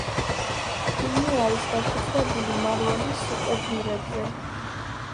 ფილმი არის დაფუძნებული მარველის სუპერგმირებზე.